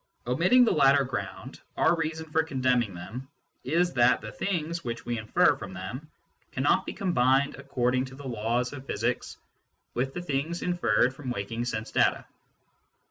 Omitting the latter ground, our reason for condemning them is that the " things " which we infer from them cannot be combined according to the laws of physics with the " things " inferred from waking sense data.